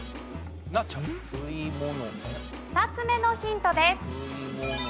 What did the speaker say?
２つ目のヒントです。